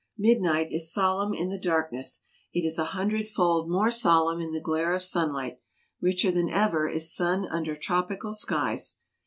Midnight is solemn in the darkness ; it is a hundredfold more solemn in the glare of sunlight, richer than ever is sun under tropical skies.